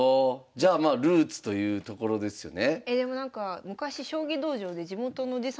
じゃあまあルーツというところですよね。